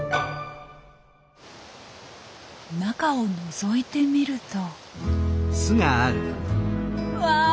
中をのぞいてみるとわあ！